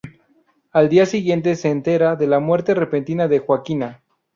Al día siguiente se entera de la muerte repentina de Joaquina.